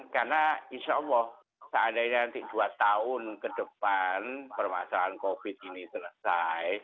karena insya allah saat ini nanti dua tahun ke depan permasalahan covid ini selesai